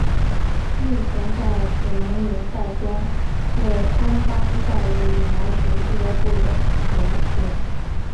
目前在紫盟联赛中为安邦再也羽毛球俱乐部的球员。